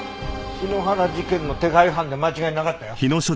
篠原事件の手配犯で間違いなかったよ。